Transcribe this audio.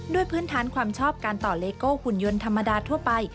พื้นฐานความชอบการต่อเลโก้หุ่นยนต์ธรรมดาทั่วไป